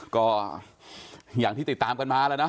ก็อย่างที่ติดตามกันมาแล้วนะ